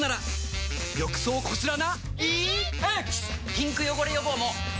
ピンク汚れ予防も！